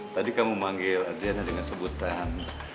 tadi kamu manggil diana dengan sebutan